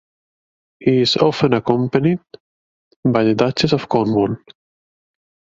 He is often accompanied by the Duchess of Cornwall.